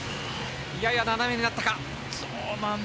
やや斜めになったか。